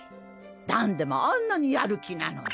ダンデもあんなにやる気なのに。